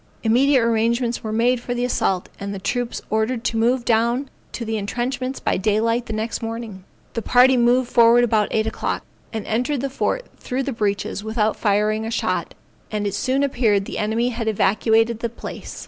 Immediate arrangements were made for the assault, and the troops ordered to move down to the entrenchments by daylight the next morning. The party moved forward about 8 o'clock, and entered the fort through the breaches without firing a shot, and it soon appeared the enemy had evacuated the place.